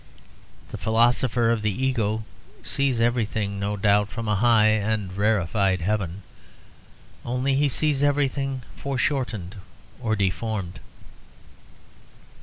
The philosopher of the ego sees everything, no doubt, from a high and rarified heaven; only he sees everything foreshortened or deformed.